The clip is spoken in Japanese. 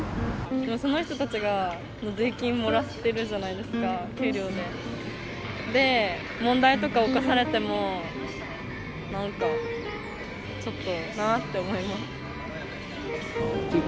その人たちが税金もらってるわけじゃないですか、給料で、問題とか起こされても、なんかちょっとなって思います。